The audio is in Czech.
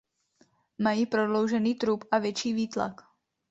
Mají prodloužený trup a větší výtlak.